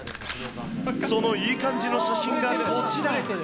そのいい感じの写真がこちら。